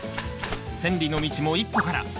千里の道も一歩から。